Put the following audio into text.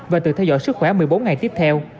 và tự theo dõi sức khỏe một mươi bốn ngày tiếp theo